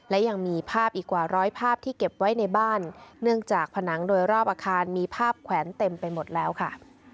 และยังมีภาพอีกกว่าร้อยภาพที่เก็บไว้ในบ้านเนื่องจากผนังโดยรอบอาคารมีภาพแขวนเต็มไปหมดแล้วค่ะ